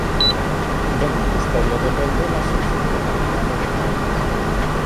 Del Ministerio depende la Subsecretaría de Deportes.